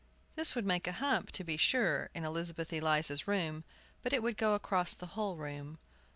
This would make a hump, to be sure, in Elizabeth Eliza's room; but it would go across the whole room.